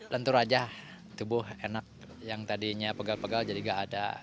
lentur aja tubuh enak yang tadinya pegal pegal jadi gak ada